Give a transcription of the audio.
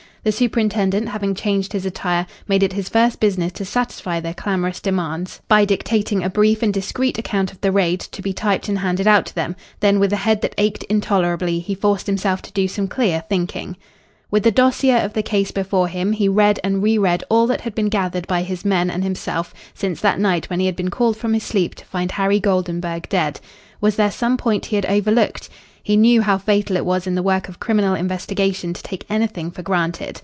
The superintendent, having changed his attire, made it his first business to satisfy their clamorous demands by dictating a brief and discreet account of the raid, to be typed and handed out to them, then with a head that ached intolerably he forced himself to do some clear thinking. With the dossier of the case before him, he read and re read all that had been gathered by his men and himself since that night when he had been called from his sleep to find Harry Goldenburg dead. Was there some point he had overlooked? He knew how fatal it was in the work of criminal investigation to take anything for granted.